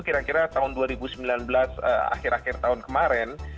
kira kira tahun dua ribu sembilan belas akhir akhir tahun kemarin